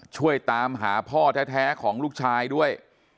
ช่วยตามหาพ่อแท้ของลูกชายด้วย